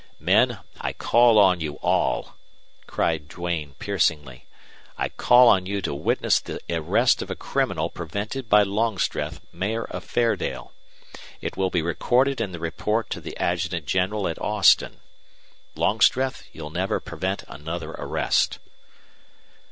"Men! I call on you all!" cried Duane, piercingly. "I call on you to witness the arrest of a criminal prevented by Longstreth, Mayor of Fairdale. It will be recorded in the report to the Adjutant General at Austin. Longstreth, you'll never prevent another arrest."